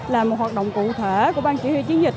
là một hoạt động cụ thể của bang chỉ huy chiến dịch